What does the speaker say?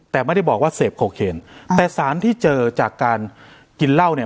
แต่ไม่ได้บอกว่าเสพโคเคนแต่สารที่เจอจากการกินเหล้าเนี่ย